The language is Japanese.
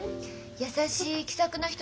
優しい気さくな人だよ。